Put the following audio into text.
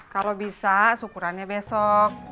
kalau bisa syukurannya besok